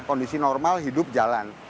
kondisi normal hidup jalan